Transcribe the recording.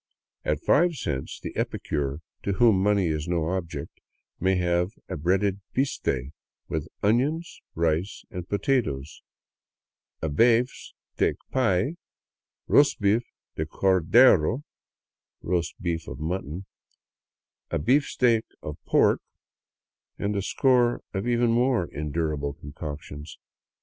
At five cents the epicure to whom money is no object may have a breaded " biste " with onions, rice, and potatoes, a " baef s teak pai," " rosbif de cordero — roast beef of mutton —" "a beefsteak of pork,'* and a score of even more endurable concoctions.